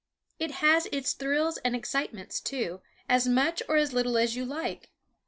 It has its thrills and excitements too, as much or as little as you like.